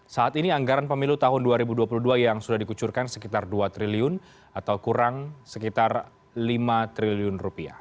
saat ini anggaran pemilu tahun dua ribu dua puluh dua yang sudah dikucurkan sekitar rp dua triliun atau kurang sekitar rp lima triliun